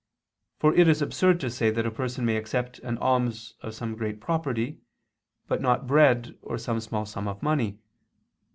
For it is absurd to say that a person may accept an alms of some great property but not bread or some small sum of money.